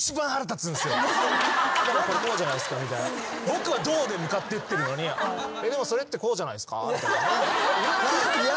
僕は「動」で向かってってるのに「でもそれってこうじゃないっすか？」やんないよ！